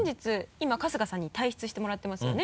今春日さんに退室してもらってますよね。